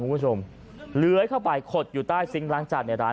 คุณผู้ชมเลื้อยเข้าไปขดอยู่ใต้ซิงค์ล้างจานในร้าน